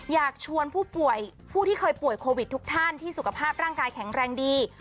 อยากชวนผู้ป่วยผู้ที่เคยป่วยโควิดทุกท่านที่สุขภาพร่างกายแข็งแรงดี